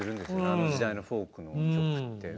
あの時代のフォークの曲って。